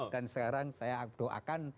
dan sekarang saya doakan